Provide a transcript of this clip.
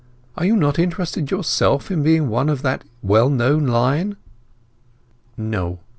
Are you not interested yourself in being one of that well known line?" "No.